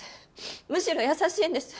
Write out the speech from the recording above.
むしろ優しいんです。